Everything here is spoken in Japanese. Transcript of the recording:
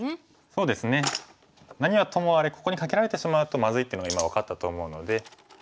そうですね何はともあれここにカケられてしまうとまずいというのが今分かったと思うので。